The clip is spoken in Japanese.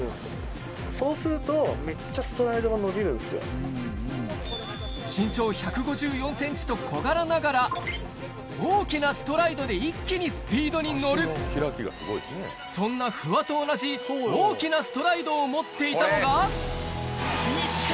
そうするとめっちゃ。と小柄ながら大きなストライドで一気にスピードに乗るそんな不破と同じ大きなストライドを持っていたのがフィニッシュ